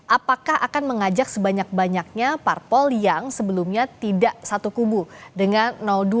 apakah akan mengajak sebanyak banyaknya parpol yang sebelumnya tidak satu kubu dengan dua